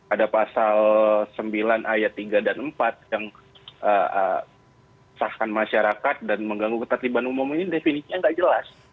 ada pasal sembilan ayat tiga dan empat yang sahkan masyarakat dan mengganggu ketertiban umum ini definisinya nggak jelas